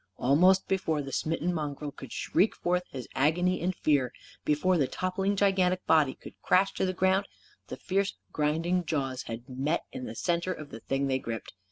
Almost before the smitten mongrel could shriek forth his agony and fear, before the toppling gigantic body could crash to the ground, the fierce grinding jaws had met in the centre of the thing they gripped.